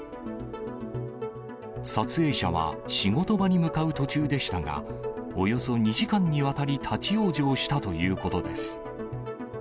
撮影者は、仕事場に向かう途中でしたが、およそ２時間にわたり立往生したということです。